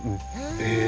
へえ。